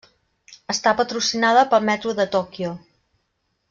Està patrocinada pel Metro de Tòquio.